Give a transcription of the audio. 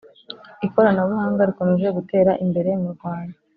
Ikorana buhanga rikomeje gutera imbere mu Rwanda